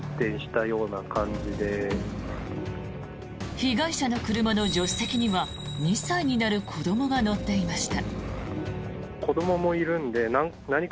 被害者の車の助手席には２歳になる子どもが乗っていました。